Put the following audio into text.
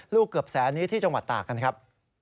ลูกเกือบแสนนี้ที่จังหวัดตากครับ